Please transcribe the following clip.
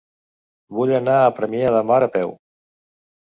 Vull anar a Premià de Mar a peu.